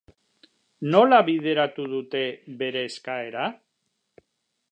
Nola bideratu dute bere eskaera?